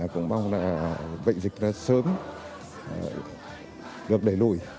cũng mong là bệnh dịch sớm được đẩy lùi